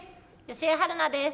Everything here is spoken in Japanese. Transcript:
吉江晴菜です。